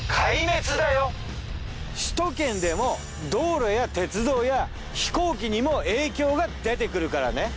首都圏でも道路や鉄道や飛行機にも影響が出てくるからね。